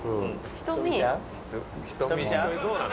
瞳ちゃん？